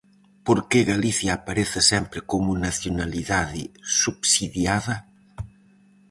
Por que Galicia aparece sempre como nacionalidade subsidiada?